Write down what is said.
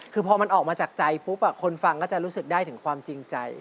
คือพอมันออกมาจากใจปุ๊บคนฟังก็จะรู้สึกได้ถึงความจริงใจ